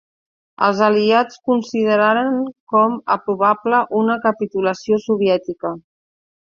Els aliats consideraren com a probable una capitulació soviètica.